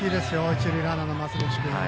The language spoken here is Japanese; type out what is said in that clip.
一塁ランナーの増渕君。